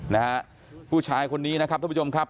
นะฮะผู้ชายคนนี้นะครับท่านผู้ชมครับ